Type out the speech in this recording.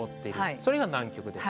それが南極です。